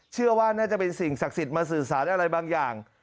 เชื่อว่าน่าจะเป็นสิ่งศักดิ์สิทธิ์มาสื่อสารอะไรบางอย่าง